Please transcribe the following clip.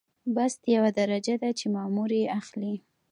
بست یوه درجه ده چې مامور یې اخلي.